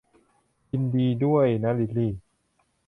ยินดีด้วยนะลิลลี่